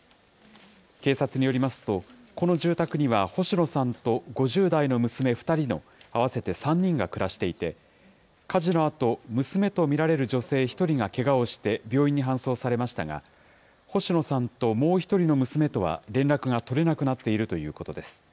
警察によりますと、この住宅には星野さんと５０代の娘２人の合わせて３人が暮らしていて、火事のあと、娘と見られる女性１人がけがをして病院に搬送されましたが、星野さんともう１人の娘とは連絡が取れなくなっているということです。